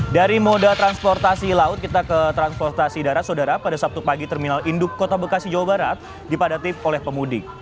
dari moda transportasi laut kita ke transportasi darat saudara pada sabtu pagi terminal induk kota bekasi jawa barat dipadati oleh pemudik